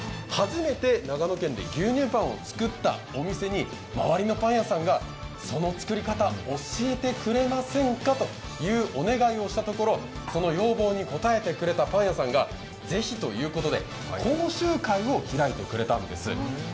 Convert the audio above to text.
初めて長野県で牛乳パンを作ったお店に、周りのパン屋さんが、その作り方教えてくれませんかというお願いをしたところ、その要望に応えてくれたパン屋さんが是非ということで講習会を開いてくれたんです。